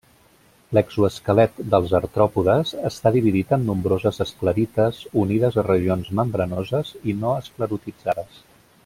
L'exoesquelet dels artròpodes està dividit en nombroses esclerites, unides a regions membranoses i no esclerotitzades.